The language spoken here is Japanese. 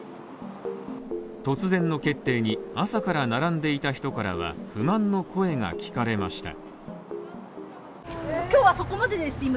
突然の決定に朝から並んでいた人からは不満の声が聞かれました。